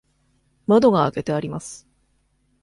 窓が開けてあります。